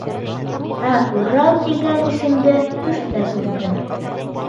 Ә Урал тигән исемде төштә күрҙем.